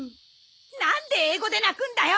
なんで英語で鳴くんだよ！